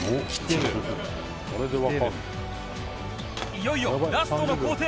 「いよいよラストの工程」